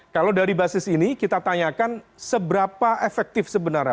kalau dari basis ini kita tanyakan seberapa efektif sebenarnya